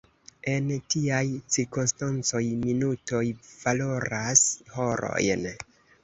En tiaj cirkonstancoj minutoj valoras horojn.